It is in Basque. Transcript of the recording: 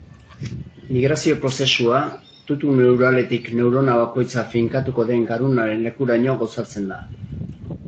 Migrazio-prozesua tutu neuraletik neurona bakoitza fi nkatuko den garunaren lekuraino gauzatzen da.